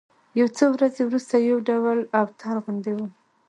يو څو ورځې وروسته يو ډول اوتر غوندې وم.